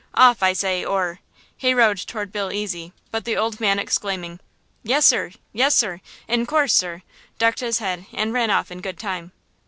Off, I say, or," he rode toward Bill Ezy, but the old man, exclaiming: "Yes, sir–yes sir! In coorse, sir!" ducked his head and ran off in good time.